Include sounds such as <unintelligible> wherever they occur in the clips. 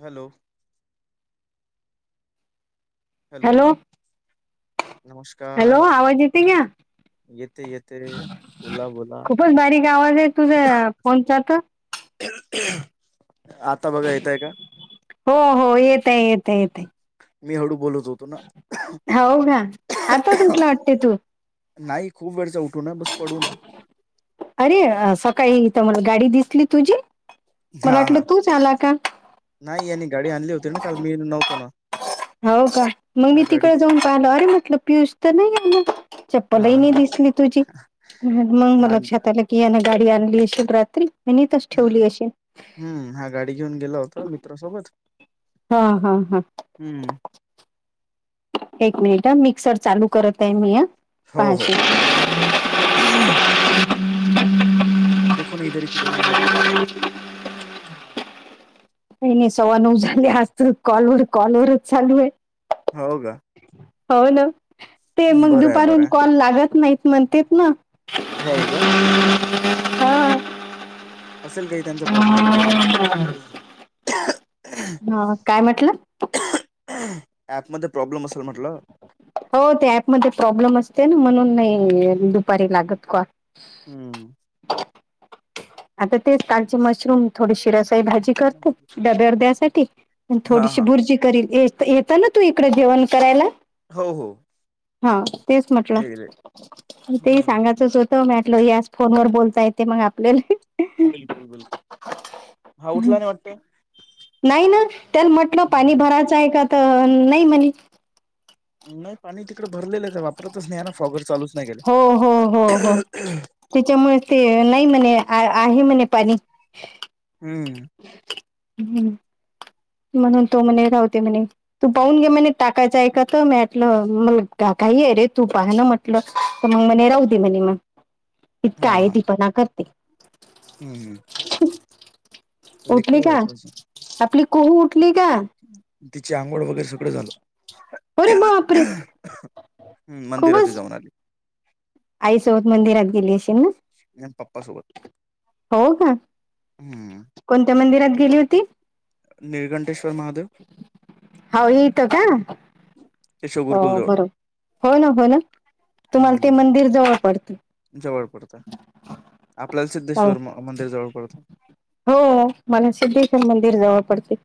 Hello. Hello. Hello आवाज येते का? येतय येतय रे. खूपच बारीक आवाज आहे तुझ्या फोनचा त. आता बघा येतय का? हो हो येतय येतय येतय. मी हळू बोलतो हाव गा आताच उठला वाटते तू? नाही खूप वेळचा उठून आहे बस पडून आहे. अरे सकाळी अ इथं मला गाडी दिसली तुझी हा मला वाटलं हा तूच आला का? नाही यानी गाडी आणली होती ना काल मी नव्हतो ना. हाव का मग मी हा गाडी तिकडे जाऊन पाहिलो अरे म्हटलं पियुष तर नाही आहे. <unintelligible> हा चप्पलही नाही हा दिसली तुझी मंग म हा लक्षात आलं कि यानी गाडी आणलीये शुभ रात्री आणि इथच ठेवली असेल. हम्म हा गाडी घेऊन गेला होता मित्रा सोबत. हा हा हा. हम्म. एक मिनिट हा मिक्सर चालू करत आहे मी हा. हो पाहशील हो. <unintelligible> हम् काय नाही सव्वा नऊ झाले आज तर कॉलवर कॉलवरच चालू आहे. हाव का? हाव ना ते मग बरं आहे बरं दुपारून आहे कॉल लागत नाहीत म्हणतेत ना. हाव गा ह <unintelligible> हां. असेल काही त्यांचा प्रॉब्लेम वगैरे ह <unintelligible> हां काय म्हटलं? ऍपमध्ये प्रॉब्लेम असेल म्हटलं. हो ते ऍपमध्ये प्रॉब्लेम असते ना म्हणून नाही दुपारी लागत कॉल. हम्म. आता तेच कालचे मशरूम थोडे शे रस काही भाजी करते डब्यावर द्यासाठी हा थोडीशी हा आणि बुर्जी करील ए तर येतं ना तू इकड जेवण करायला. हो हो. हा तेच म्हटलं एक्झॅक्ट. ते ही हं. सांगायचस हो त म्हॅटलो याज फोन वर बोलता येते मग आपल्याला. बिलकुल बिलकुल हा उठला नाही वाटतं. नाही ना त्यान म्हटलं पाणी हं. भरायचं आहे का तर नाही म्हणे. नाही पाणी तिकडे भरलेलंच आहे वापरतच नाहीये ना फॉगर चालूच नाही केला. हो हो, हो हो. त्याच्यामुळे ते नाही म्हणे आय आहे म्हणे पाणी. हम्म. हम्म. म्हणून तो म्हणे रावते म्हणे. तू पाहून घे म्हणे टाकायचं एकात मॅटला मला काही आहे रे तू पाह ना म्ह इकडं तर मंग म्हणे राहू दे म्हणे म इतका आयदी पणा करते. हम्म. उठली आहे का थोडंसं. आपली कोहू उठली का? तिची आंघोड वगैरे सगळं झालं. अरे बापरे! हं. मंदिरात ही कव्हाच? जाऊन आली. आईसोबत मंदिरात गेली अशील ना. हेम पप्प सोबत हो का हम्म. कोणत्या मंदिरात गेली होती? निर्घंटेश्वर महादेव हाव येतं का केशव हो गुरुकुल जवळ. बरं हो ना हो ना. तुम्हाला ते हम्म मंदिर जवळ पडते जवळ पडतं आपल्याला सिद्धेश्वर म मंदिर जवळ पडतंय. हो माने सिद्धेश्वर मंदिर जावा पडते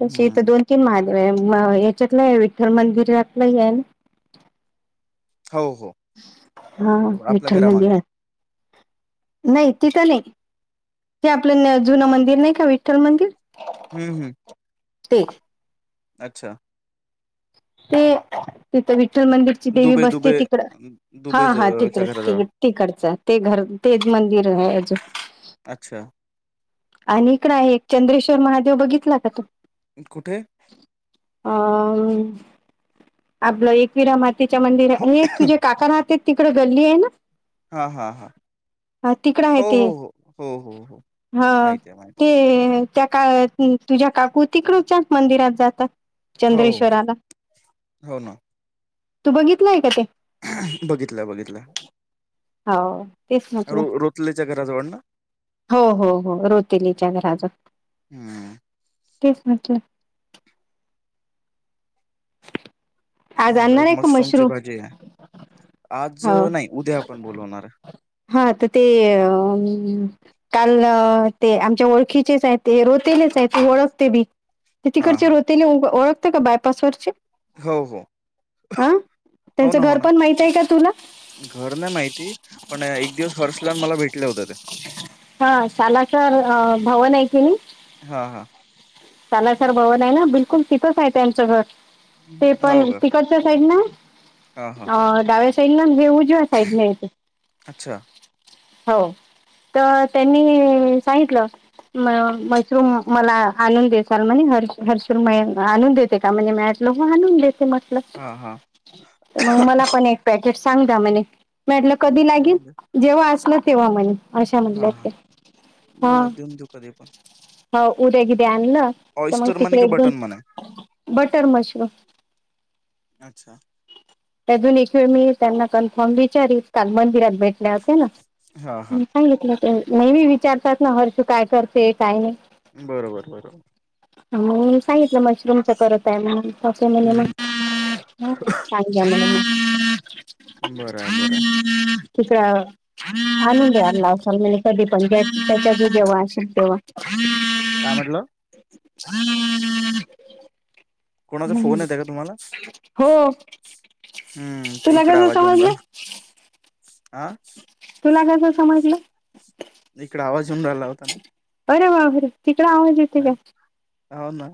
तशी इथं दोन चीन महादेव आहे ये म हेच्यातलं विठ्ठल मंदिरातलं आहे ही ना. हाव हो. हा बरोबर. आपल्या विठल घरामागे. मंदिरात. नाही तिथं नाही ते आपलं न जुना मंदिर नाही का वि विठ्ठल मंदिर हं, हं. ते अच्छा. ते तिथं विठ्ठल मंदिरची देवी दुबे दुबे बसते तिकडं. हा दुबे हा ज- च्या तिकडे घराजवळ ते तिकडचं ते घर तेच मंदिर आहेज. अच्छा आणि इकडं आहे एक चंद्रेश्वर महादेव बघितला का तू? अन कुठे आं आपला एकविरामा तिच्या मंदिर हे तुझे काका राहततेत तिकडं गल्ली आहे ना हा हा हा हा, तिकडं आहे हो हो ते हो हो हो हो. हा माहिती आहे माहिती ते त्या काय हं तुझ्या काकू तिकडूच्याच मंदिरात जातात. आहे हो चंद्रेश्वराला हो ना तू बघितलाय का ते? बघितलं बघितलं. हाव तेच म्हटलं. तलेच्या घराजवण ना. हो हो हो रोतिलीच्या घराचा हम्म तेच म्हटलं. आज मगं आणणार आहे का मशरूमची मशरूम भाजी आहे आज हो नाही उद्या आपण बोलवणार आहे. हा. आता ते.. आ. काल. ते आमच्या ओळखीचेच आहेत. ते रोतेलेच आहेत, ते ओळखते बी. ते हा तिकडचे हा रोतेले ओ ओळखते का बायपासवर? हो हो. हो त्यांचं ना हो घर ना पण माहित आहे का तुला? घर नाही माहिती पण एक दिवस हर्षलान मला भेटले होता ते. हा शालाकार अ भवन आहे की नी हा हा. तालासर भवन आहे ना बिलकुल तिथंच आहे त्यांचं घर. ते हो पण का तिकटच्या साईड ना. हा. हा. अ डाव्या साईडना हे उजव्या साईडनं येते अच्छा हो. तर त्यांनी सांगितलं. मग मशरूम मला आणून देसाल म्हणे, हर्ष-हर्ष म आणून देते का म्हणे मा लघु आणून देते म्हटलं. तर हा हा. मग मला पण एक पॅकेट सांग दामिनी, मी म्हटलं कधी देऊन लागेल? दे जेव्हा असल तेव्हा म्हणे. अशा हा म्हटल्या हा, ते हा बघ देऊन तू कधी पण. हो उद्या क ते आणलं तर मग ऑइस्टर म्हणे तिकडे की एक दोन बटन म्हणे. Butter mushroom. अच्छा ते अजून एकखेळ मी त्यांना कन्फर्म विचारीत काल मंदिरात भेटले होत्या ना. हा हा सांगितलं नेहमी विचारतात ना हर्ष काय करते काय नही. बरोबर बरोबर. सांगितलं मशरूमच करत आहे म्ह हम्म घ्या म्हणाली, बरं आहे बरं आहे तिथलं. आणून द्या <unintelligible> कधी पण जे त्याच्या जेव्हा असल तेव्हा. काय म्हटलो? <unintelligible> कोणाचा फोन येत का तुम्हाला? हो हम्म तुला इकडे कसं आवाज येऊन समजलं राहीला. आं? तुला कस समजलं? इकड आवाज येउन राहला होता. आरे बापरे तिकडे आवाज येत हा हो ना.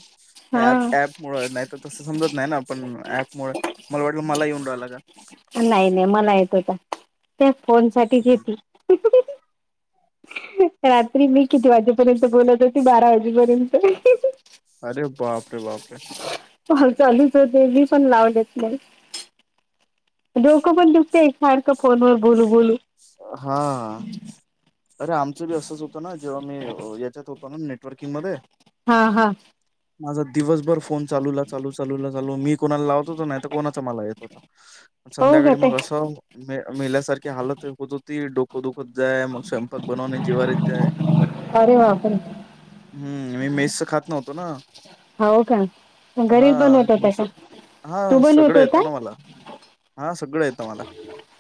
हा ऍप ऍपमुळं नाही तर तसं समजत नाही ना, पण ऍपमुळं मला वाटलं मला येऊन राहिलं का? नाही नाही मला येत होता, त्या फोन साठीच येतय ह हह. रात्री मी किती वाजेपर्यंत बोलत होती? बारा वाजेपर्यंत ह ह. अरे बापरे बापरे. कॉल चालूच होते, मी पण लावलेत नाही. डोक पण दुखतेय सारखं फोनवर बोलू बोलून. हा अरे आमचं बी असंच होतं ना, जेव्हा मी याच्यात होत म्हणून नेटवर्किंग मध्ये. हा हा माझा दिवसभर फोन चालूला चालू, चालूला चालू मी कोणाला लावत होतो नाही तर कोणाचा मला येत होता. हो का संध्याकाळी ताई मग असं मे-मेल्यासारखी हालत होत होत ती डोकं दुखत जाय, मग स्वयंपाक बनवनं जिवावर येत जाय. अरे बापरे हम्म मी मेसच खात नव्हतो ना. हो का? हा घरीच बनवत होता मी का? स्व- तू हा सगळं बनवतोय येतं काय? ना मला हा सगळं येतं मला.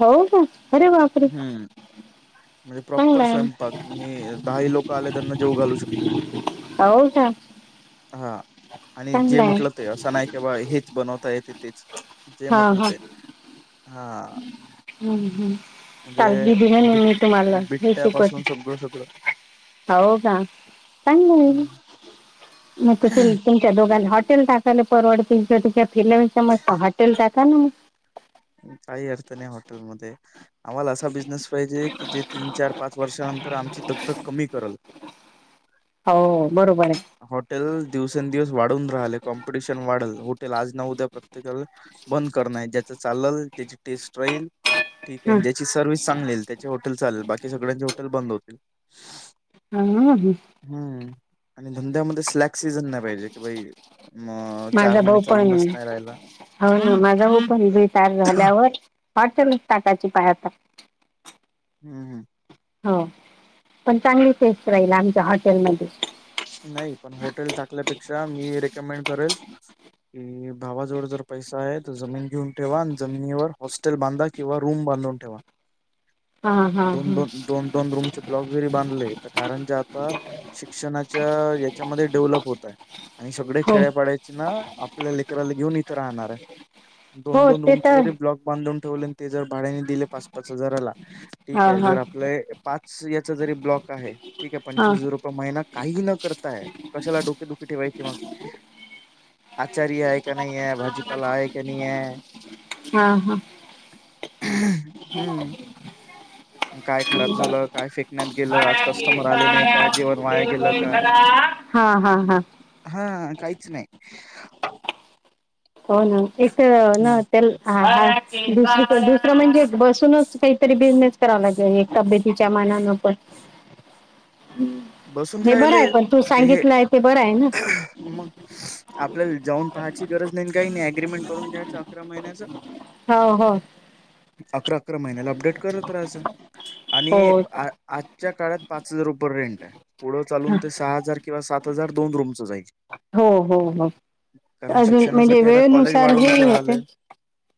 हो का? अरे वा. हम्म. म्हणजे प्रॉपर आहे स्वयंपाक मी दहाही लोक आले त्यांना जेव घालू शकतो. हो का हा आणि जे चांगला आहे. म्हटलं ते असं नाही क बा हेच बनवता येत तेच, जे हा म्हटल हा. ते हा. हम्म हम्म. म्हणजे चाल बी दिन मी तुम्हाला हे शिकवत. गळं सगळं. हो का चागलय हम्म. म कतेल. तुमच्या दोघांना हॉटेल टाकायला परवडतील, तुमच्या <unintelligible> मस्त हॉटेल टाका ना मग. काही अर्थ नाही हॉटेलमध्ये, आम्हाला असा बिझनेस पाहिजे कि जे तीन चार पा वर्षानंतर आमची दगदग कमी करल. होवू बरोबर. हॉटेल दिवसेंदिवस वाढून राहिले. कॉम्पिटिशन वाढल, हाँटेल आज ना उद्या. प्रत्येकाला बंद करण, ज्याच चालल त्याची टेस्ट राहील. ठीक हा आहे. जी सर्व्हिस चांगली आहे. त्याचे हॉटेल चालेल, बाकी सगळ्यांचे हॉटेल बंद होतील. <unintelligible> हम्म. आणि धंद्या मध्ये स्लॅक सीझन नाही, पाहिजे की भाई. मग, चार माझा महिने भाऊ पण चालूनच नाही राहायला. हो ना माझा पण तयार झाल्यावर हॉटलचे टाकायची बाई आता. हम्म. हम्म. हो पण चांगली फेस राहील आमच्या हॉटेलमध्ये. नाही. पण हॉटेल टाकल्यापेक्षा मी रेकमेंड करेल. कि भावाजवळ जर पैसा आहे तर जमीन घेऊन ठेवा आणि जमिनीवर हॉस्टेल बांधा किंवा रूम बांधून ठेवा. <inaudible> दोन, हा दोन दोन दोन, रूमचे ब्लॉक जरी बांधले. तर कारण जे आता शिक्षणाची त्या याच्यामध्ये डेव्हलप होत. आणि सगळे हो खेड्यापाड्या. तिचं नाव आपल्या लेकराला घेऊन इथे राहणार आहे. दोन, हो दोन ते रूमचे तर जरी ब्लॉक बांधून ठेवले. ते जर भाड्याने दिले पाच, पाच हजाराला हा ठीके हा जर आपले. पाच याचा जरी ब्लॉक आहे, ठीके हा हा पंचवीस हजार रुपये महिना. काहीही न करता आहे कशाला? डोकेदुखी ठेवायचे मग. आचारी आहे का नाही आहे? भाजीपाला आहे का नाही आहे? हा हा. <unintelligible> हं <inaudible> <inaudible> काय खराब झालं काय फेकण्यात गेलं आज कस्टमर आले नाही का जेवण वाया गेलं का हा हा हा. हा काहीच नाही. हो. ना. एक ना हम्म. त्या दुस- दुसरं म्हणजे बसूनच. काहीतरी बिझनेस करावा लागेल, एक तब्येतीच्या मानानं पण. बसून हे काय बरं आहे लई पण तू ते हे सांगितलंय ते बरं आहे ना मग. आपल्याला जाऊन पहायची गरज नाही, काही नाही. अग्रीमेंट करून घ्यायचं अकरा महिन्याचं. हो. हो. अकरा, अकरा महिन्याला अपडेट करत राहायचं. आणि, हो आजच्या काळात पाच हजार रुपयर रेंट आहे, पुढं चालून हा ते सहा हजार किंवा सात हजार दोन रूमच जाईल. हो. हो. हो. कारण अजून म्हणजे शिक्षणासाठी आता कॉलेज वेळेनुसार हे वाढवूनच ही राहिलंय होतंय.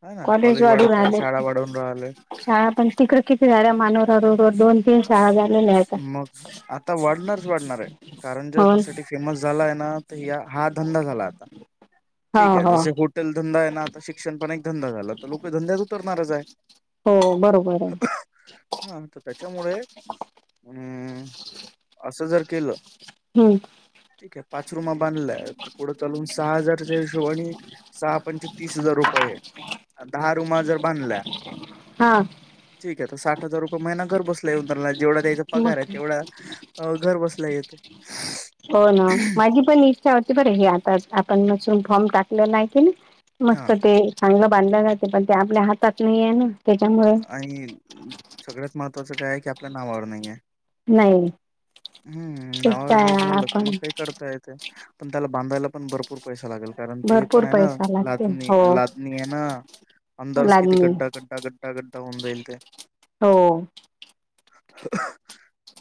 ह ना कॉलेज वाढून वाढत आहे राहिले. शाळा वाढवून राहिलय शाळा पण तिकड किती झाल्या मानोरा रोडवर दोन तीन शाळा झालेल्या हायत्या. मग आता वाढणारच, वाढणार आहे. कारण जसं ते त्यासाठी फेमस झाला आहे ना. ह. हा. धंदा झाला आता, हो ठीकेय आहे हो जसे हॉटेल धंदा आहे ना, आता शिक्षण पण धंदा झाला, तर लोक धंद्याच उतरणारच आहे. हो. बरोबर आहे. हा तर त्याच्यामुळे अं. असं जर केलं. हम्म. ठीकेय पाच रूमा बांधल्या. तर, पुढं चालून सहा हजारच्या हिशोबाने. सहा पंचे तीस हजार रुप होय. दहा रुमा जर बांधल्या. हा ठीक आहे. तर साठ हजार रुपये महिना घर बसल्या येऊन त्यांना, जेवढा त्याचा पगार आहे मग तेवढा. अ. घर बसल्या येत. <inaudible> हो ना माझी पण इच्छा होती बर हे आता आपण नसून फॉर्म टाकले नाही की नी हा मस्त! ते चांगलं बांधलं जातं. पण, ते आपल्या हातात नाही आहे ना. त्याच्यामुळे, आणि सगळ्यात महत्त्वाचं काय आहे की आपल्या नावावर नाही आहेे. नाही हम्म तेच नावावर जर तर झालं तर आपण मग काय करता येतय. पण त्याला बांधायला पण भरपूर पैसा लागेल. कारण ते पण, भरपूर आहे ना पैसा लागते लादणी, हो लादणी आहे ना अंदरच किती? लागणे गड्डा गड्डा गड्ड. हड्डा गड्डा होऊन जाईल त्या. हो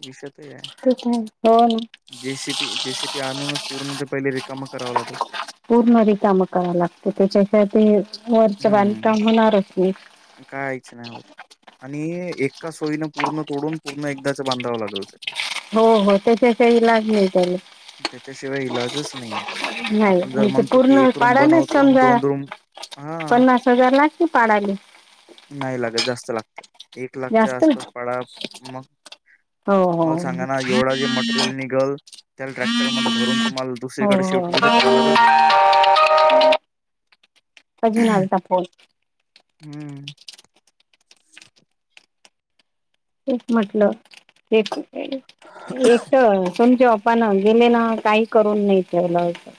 विषते तेच आहे हो ना जेसीबी जेसीबी आणूनच पूर्ण ते पहिले रिकामा कराव लागतो. पूर्ण रिकाम कराव लागत त्याच्याशिवाय ते वरचं बांधकाम होणारच नाही. कायचं नाही होत. आणि एका सोयीन पूर्ण तोडून पूर्ण एकदाच बांधावं लागल तो. हो हो त्याच्या काही लागले त्याले. त्याच्याशिवाय इलाजच नाहीऐ. नाही आपण जर आणि ते म्हणतो की पूर्ण एक रूम पाडालेच बनवतो आणि समजा दोन रूम हा पन्नास हजार लागती पाडायले. नाही लागत जास्त लागत एक लाखच्या जास्त आसपास पडा मग हो हो मला सांगा ना, एवढा जे मटेरियल निघल. त्या ट्रॅक्टरमध्ये भरून तुम्हाला. हो दुसरीकडे शिफ्ट हो बी तर करावं लागल. <unintelligible> <inaudible> अजून आलता फोन. हंम्म. तेच म्हटलं एक- एक तर समच्या. पण, जमिनं काही करून नाही ठेवलं असं.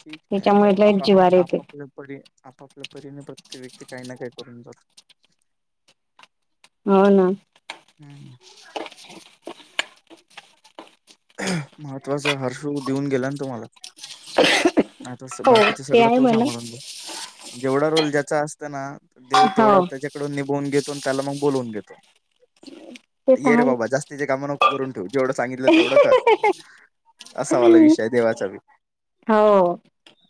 ठीक आहे. तर लयच जीवार येते आपा-आपापले. तरी आपापल्या परीने प्रत्येक व्यक्ती काही ना काय करून जातो. हो ना. हुंम.. महत्त्वाचा हर्षु देऊन गेला ना तुम्हाला. आता हो बाकीच ते सगळं आहे तो म्हणा सांभाळून घेतो जेवढा रोल ज्याचा असत ना देव तेवढा हो त्याच्याकडून निभवून घेतो आणि त्याला मग बोलवून घेतो. ते ये तर रे बाबा आहेच. जास्तीचे काम नको करून ठेवू जेवढं सांगितलं तेवढं कर. असा वाला विषय देवाचा बी. हो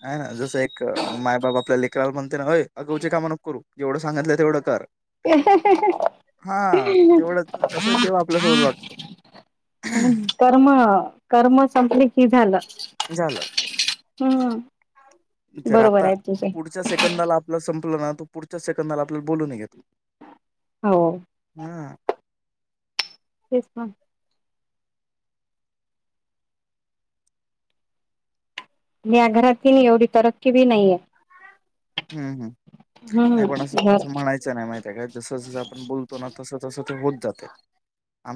आहे ना जसं एक मायबाबा आपल्या लेकराला म्हणते ना अय अगावचे काम नको करू जेवढं सांगितलं तेवढं कर. <unintelligible> तेवढंच. तसंच, देव आपल्यासोबत वागतेय. कर्म, कर्म संपले की झालं. झालं. हम्म. जर, बरोबर आता आहे तुझे पुढच्या सेकंदाला आपलं संपलं ना तर. पुढच्या सेकंदला आपल्याला बोलून घेत हो हमम. Yes ma'am. मी या घरातील बी एवढी तरक्की बी नाहीये. हम्म. हम्म. हम्म नाही पण, असं, घर असं म्हणायचं. च नाही माहितीय आहे का जस जस आपण बोलतो ना तस तसं ते होत जात.